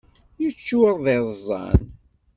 Yeččur d iẓẓan.